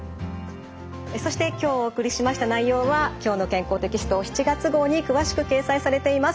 そして今日お送りしました内容は「きょうの健康」テキスト７月号に詳しく掲載されています。